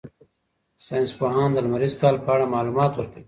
ساینس پوهان د لمریز کال په اړه معلومات ورکوي.